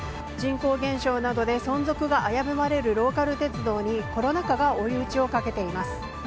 人口減少などで存続が危ぶまれるローカル鉄道にコロナ禍が追い打ちをかけています。